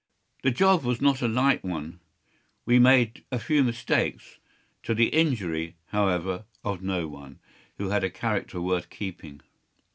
The job was not a light one. We made a few mistakes, to the injury, however, of no one who had a character worth keeping.